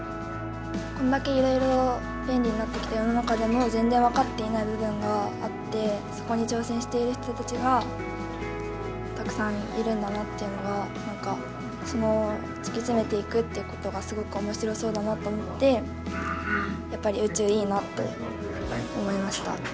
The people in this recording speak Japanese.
こんだけいろいろ便利になってきた世の中でも全然分かっていない部分があってそこに挑戦している人たちがたくさんいるんだなっていうのがその突き詰めていくっていうことがすごく面白そうだなと思ってやっぱり宇宙いいなと思いました。